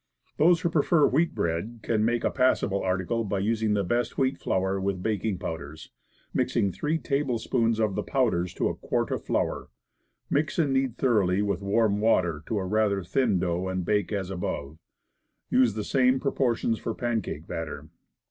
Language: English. Those who prefer wheat bread can make a passable article by using the best wheat flour with baking powders, mixing three tablespoonfuls of the powders to a quart of flour. Mix and knead thoroughly with warm water to a rather thin dough, and bake as above. Use the same proportions for pancake batter.